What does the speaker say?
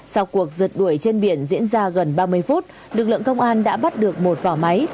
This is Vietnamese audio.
sau cuộc giật đuổi trên biển diễn ra gần ba mươi phút lực lượng công an đã bắt được một vỏ máy